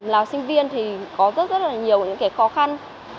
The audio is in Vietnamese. là sinh viên thì có rất rất là nhiều những cái khó khăn